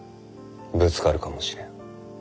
ぶつかるかもしれん。